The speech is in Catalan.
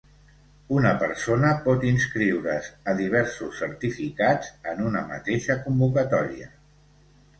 Una persona pot inscriure's a diversos certificats en una mateixa convocatòria.